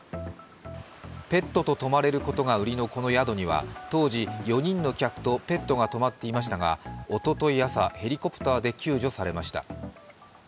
ペットと泊まれることが売りのこの宿には当時、４人の客とペットが泊まっていましたが、おととい朝、ヘリコプターで救助されました。